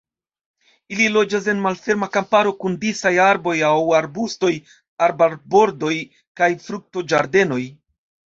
Ili loĝas en malferma kamparo kun disaj arboj aŭ arbustoj, arbarbordoj kaj fruktoĝardenoj.